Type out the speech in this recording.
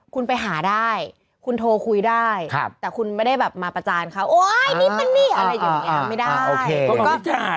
คุณไปหาได้คุณโทรคุยได้แต่คุณไม่ได้แบบมาประจานเขาโอ๊ยนี่เป็นนี่อะไรอย่างนี้ไม่ได้